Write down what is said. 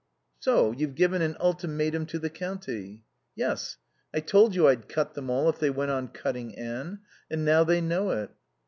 "So you've given an ultimatum to the county." "Yes. I told you I'd cut them all if they went on cutting Anne. And now they know it."